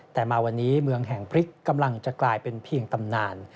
แต่มาวันนี้เมืองแห่งพริกกำลังจะกลายเป็นเพียงตำนาน